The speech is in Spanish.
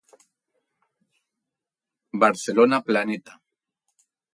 Barcelona, Planeta.